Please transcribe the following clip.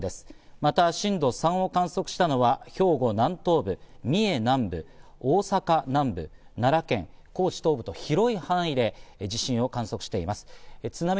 また震度３を観測したのは兵庫南東部、三重南部、大阪南部、奈良県、高知東部と広い範囲で地震を観測しています。